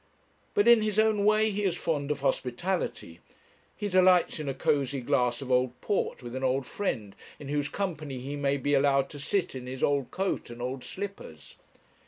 But in his own way he is fond of hospitality; he delights in a cosy glass of old port with an old friend in whose company he may be allowed to sit in his old coat and old slippers.